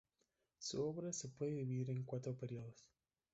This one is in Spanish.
Su obra se puede dividir en cuatro periodos.